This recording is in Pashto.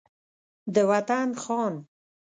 د وطن خان